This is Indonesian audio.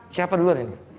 siapa dulu ya